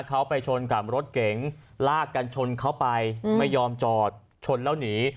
เขาไปชนกับรถเก๋งลากกันชนเข้าไปไม่ยอมจอดชนแล้วหนี